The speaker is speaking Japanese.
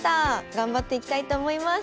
頑張っていきたいと思います。